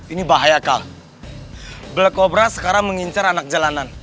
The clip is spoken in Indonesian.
ini bahaya kal black cobra sekarang mengincar anak jalanan